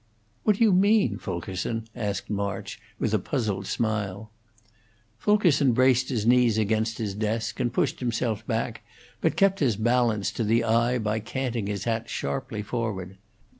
"What do you mean, Fulkerson?" asked March, with a puzzled smile. Fulkerson braced his knees against his desk, and pushed himself back, but kept his balance to the eye by canting his hat sharply forward.